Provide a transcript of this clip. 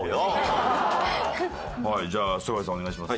はいじゃあすがやさんお願いします。